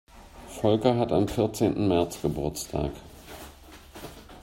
Volker hat am vierzehnten März Geburtstag.